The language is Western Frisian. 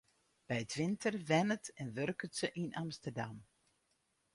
By 't winter wennet en wurket se yn Amsterdam.